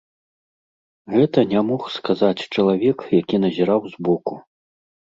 Гэта не мог сказаць чалавек, які назіраў збоку.